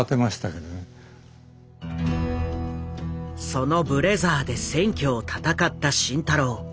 そのブレザーで選挙を戦った慎太郎。